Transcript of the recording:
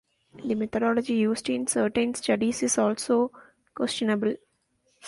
The methodology used in certain studies is also questionable.